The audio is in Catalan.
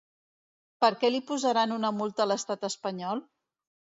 Per què li posaran una multa a l'estat espanyol?